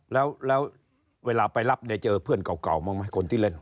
แล้วเวลาไปรับเนี่ยเจอเพื่อนเก่าบ้างไหมคนที่เล่น